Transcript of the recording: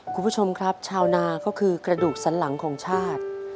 คุณผู้ชมครับชาวนาก็คือกระดูกสันหลังของชาติ